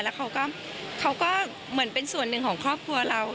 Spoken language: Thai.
แล้วเขาก็เหมือนเป็นส่วนหนึ่งของครอบครัวเรา